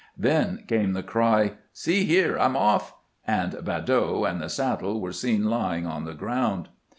Then came the cry, " See here, I 'm off !" and Badeau and the saddle were seen lying on the ground.